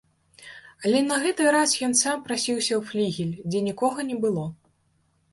Але на гэты раз ён сам прасіўся ў флігель, дзе нікога не было.